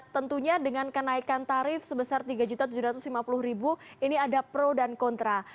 tentunya dengan kenaikan tarif sebesar rp tiga tujuh ratus lima puluh ini ada pro dan kontra